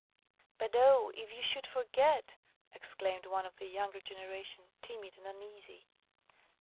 "But, oh! if you should forget!" exclaimed one of the younger generation, timid and uneasy.